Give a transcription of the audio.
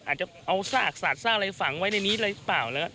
อาจจะเอาซากสาดซากอะไรฝังไว้ในนี้เลยหรือเปล่า